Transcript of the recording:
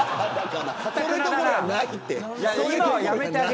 それどころやないって。